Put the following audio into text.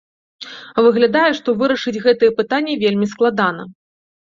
Выглядае, што вырашыць гэтыя пытанні вельмі складана.